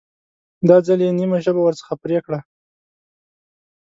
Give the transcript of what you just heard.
دا ځل یې نیمه ژبه ورڅخه پرې کړه.